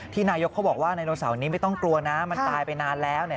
ที่นายกเขาบอกว่านายโนเสาร์นี้มันต้องกลัวนะมันตายไปนานแล้ว